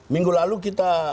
minggu lalu kita